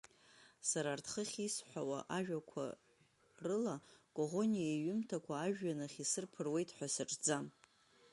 Сара арҭ хыхь исҳәауа ажәақәа рыла Коӷониа иҩымҭақәа ажәҩанахь исырԥыруеит ҳәа саҿӡам.